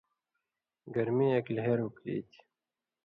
گرمِیں اېک لہروک ای تھی۔